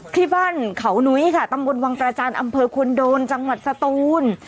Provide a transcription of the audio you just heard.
ที่บ้านเขานุ้ยค่ะตำบลวังกระจันทร์อำเภอควรโดนจังหวัดสตูน